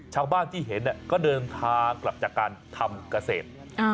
ชาวบ้านที่เห็นก็เดินทางกลับจากการทำเกษตร